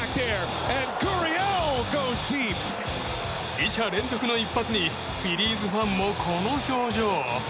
２者連続の一発にフィリーズファンも、この表情。